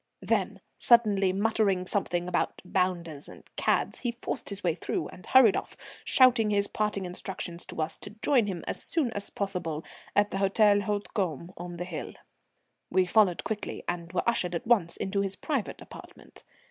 Then, suddenly muttering something about "bounders" and "cads," he forced his way through and hurried off, shouting his parting instructions to us to join him as soon as possible at the Hôtel Hautecombe on the hill. We followed quickly, and were ushered at once into his private apartment.